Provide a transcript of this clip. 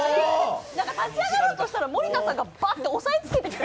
立ち上がろうとしたら、森田さんがばっと押さえつけてきて。